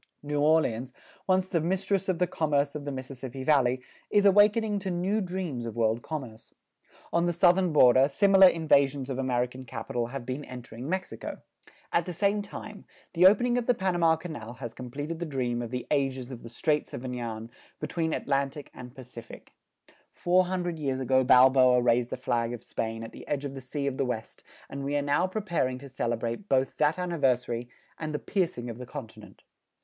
New Orleans, once the mistress of the commerce of the Mississippi Valley, is awakening to new dreams of world commerce. On the southern border, similar invasions of American capital have been entering Mexico. At the same time, the opening of the Panama Canal has completed the dream of the ages of the Straits of Anian between Atlantic and Pacific. Four hundred years ago, Balboa raised the flag of Spain at the edge of the Sea of the West and we are now preparing to celebrate both that anniversary, and the piercing of the continent.